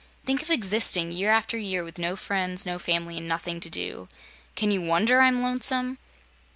Think of existing year after year, with no friends, no family, and nothing to do! Can you wonder I'm lonesome?"